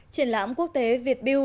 triển lãm quốc tế việt bill